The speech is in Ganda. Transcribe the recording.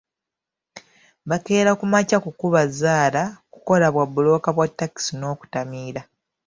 Bakeera ku makya kukuba zzaala, kukola bwabbulooka bwa takisi n’okutamiira.